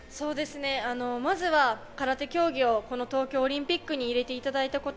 まずは空手競技をこの東京オリンピックに入れていただいたこと。